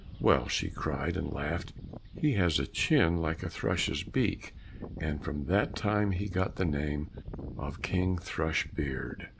"Well," she cried and laughed, "he has a chin like a thrush's beak!" and from that time he got the name of King Thrushbeard.